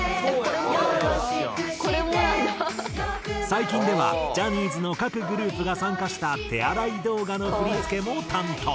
最近ではジャニーズの各グループが参加した手洗い動画の振付も担当。